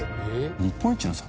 「日本一の坂」？